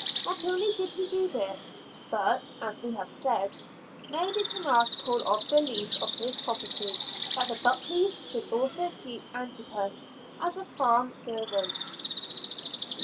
Not only did he do this, but, as we have said, made it an article of the lease of his property, that the Buckleys should also keep Antipas as a farm servant.